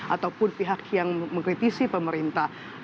ataupun pihak yang mengkritisi pemerintah